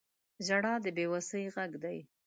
• ژړا د بې وسۍ غږ دی.